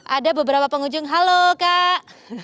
ada beberapa pengunjung halo kak